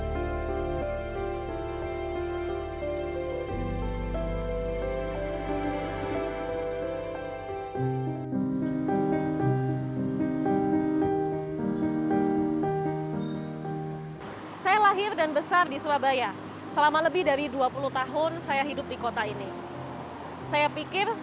saya lahir dan besar di surabaya selama lebih dari dua puluh tahun saya hidup di kota ini saya pikir